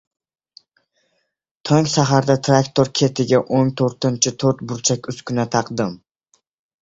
Tong saharda traktor ketiga o‘n to‘rtinchi to‘rt-burchak uskuna taqdim.